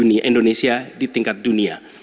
ini indonesia di tingkat dunia